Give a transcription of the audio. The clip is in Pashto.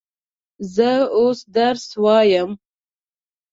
زه اوس درس وایم.